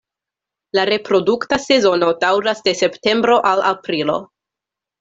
La reprodukta sezono daŭras de septembro al aprilo.